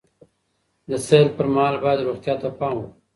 د سیل پر مهال باید روغتیا ته پام وکړو.